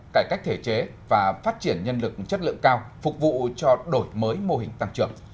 cải cách thể chế và phát triển nhân lực chất lượng cao phục vụ cho đổi mới mô hình tăng trưởng